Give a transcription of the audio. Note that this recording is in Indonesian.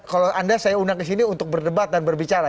kalau anda saya undang ke sini untuk berdebat dan berbicara